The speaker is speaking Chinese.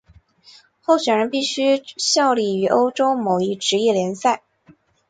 候选人必须效力于欧洲某一职业联赛。